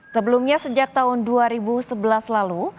sebelumnya sejak tahun dua ribu sebelas lalu